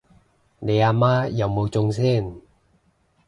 你阿媽有冇中先？